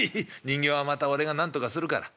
人形はまた俺がなんとかするから。